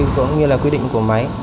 có nghĩa là quy định của máy